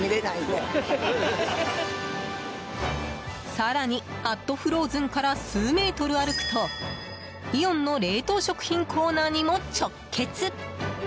更に＠ＦＲＯＺＥＮから数メートル歩くとイオンの冷凍食品コーナーにも直結。